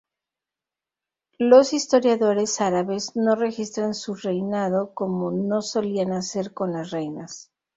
Los historiadores árabes no registran su reinado como no solían hacer con las reinas.